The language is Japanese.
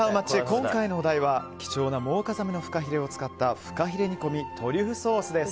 今回のお題は貴重なモウカザメのふかひれを使ったふかひれ煮込みトリュフソースです。